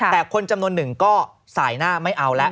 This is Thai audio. แต่คนจำนวนหนึ่งก็สายหน้าไม่เอาแล้ว